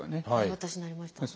私なりました。